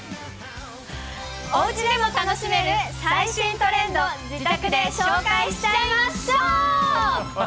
おうちでも楽しめる最新トレンド自宅で紹介しちゃいまＳＨＯＷ。